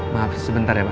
maaf sebentar ya pak